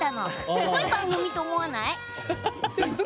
すごい番組だと思わない？